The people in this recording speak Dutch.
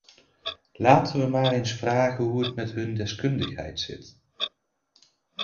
Laten we maar eens vragen hoe het met hun deskundigheid zit.